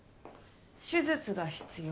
手術が必要。